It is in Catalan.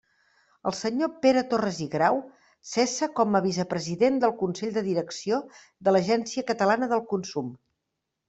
El senyor Pere Torres i Grau cessa com a vicepresident del Consell de Direcció de l'Agència Catalana del Consum.